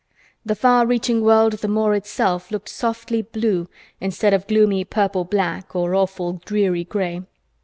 The far reaching world of the moor itself looked softly blue instead of gloomy purple black or awful dreary gray.